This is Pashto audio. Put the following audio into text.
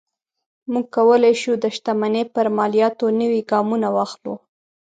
موږ کولی شو د شتمنۍ پر مالیاتو نوي ګامونه واخلو.